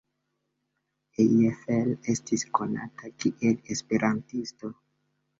Eiffel estis konata kiel esperantisto.